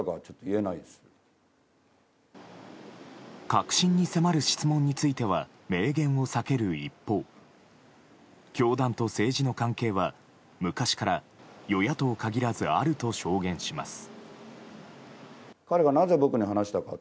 核心に迫る質問については明言を避ける一方教団と政治の関係は昔から与野党限らずあると証言します。